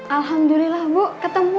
alhamdulillah bu ketemu